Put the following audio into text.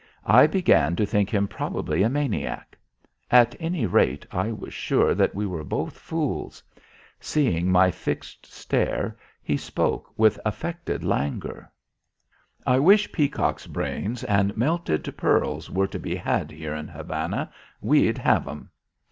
I began to think him probably a maniac. At any rate, I was sure that we were both fools. Seeing my fixed stare, he spoke with affected languor: "I wish peacocks' brains and melted pearls were to be had here in Havana. We'd have 'em."